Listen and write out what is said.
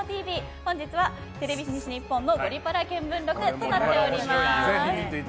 本日はテレビ西日本の「ゴリパラ見聞録」となっております。